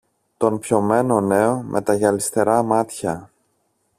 τον πιωμένο νέο με τα γυαλιστερά μάτια